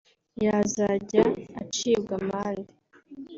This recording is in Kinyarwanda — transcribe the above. yazajya acibwa amande